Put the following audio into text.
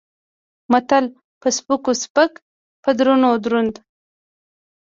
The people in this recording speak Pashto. متل: په سپکو سپک په درونو دروند.